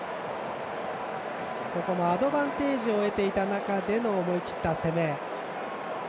アドバンテージを得ていた中での思い切った攻め。